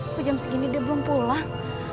aku jam segini dia belum pulang